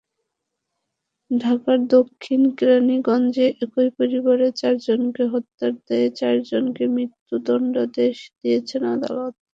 ঢাকার দক্ষিণ কেরানীগঞ্জে একই পরিবারের চারজনকে হত্যার দায়ে চারজনকে মৃত্যুদণ্ডাদেশ দিয়েছেন আদালত।